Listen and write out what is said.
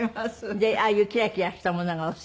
でああいうキラキラしたものがお好き。